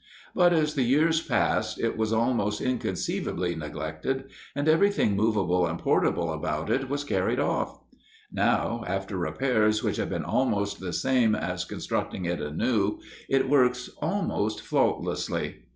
But as the years passed, it was most inconceivably neglected, and everything movable and portable about it was carried off. Now, after repairs which have been almost the same as constructing it anew, it works almost faultlessly.